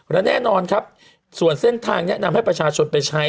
และแน่นอนครับส่วนเส้นทางแนะนำให้ประชาชนไปใช้